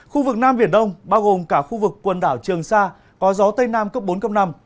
khu vực nam biển đông bao gồm cả khu vực quần đảo trường sa có gió tây nam cấp bốn năm